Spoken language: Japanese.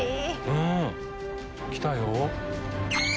うん来たよ。